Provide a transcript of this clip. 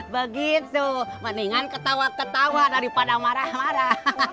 begitu mendingan ketawa ketawa daripada marah marah